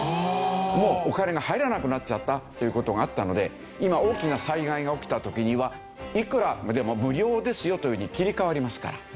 もうお金が入らなくなっちゃったという事があったので今大きな災害が起きた時にはいくらでも無料ですよというふうに切り替わりますから。